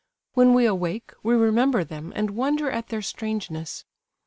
When we awake we remember them and wonder at their strangeness.